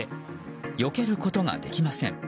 よけることができません。